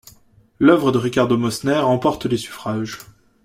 L’œuvre de Ricardo Mosner emporte les suffrages.